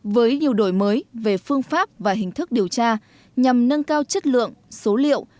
với nhiều đổi mới về phương pháp và hình thức điều tra nhằm nâng cao chất lượng số liệu